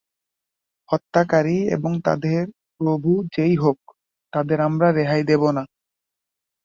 হত্যাকারী এবং তাদের প্রভু যে-ই হোক, তাদের আমরা রেহাই দেব না।